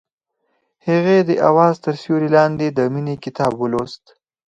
هغې د اواز تر سیوري لاندې د مینې کتاب ولوست.